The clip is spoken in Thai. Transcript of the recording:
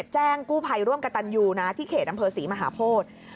แจ้งกู้ภัยร่วมกับตันยูนะที่เขตอำเภอศรีมหาโพธิ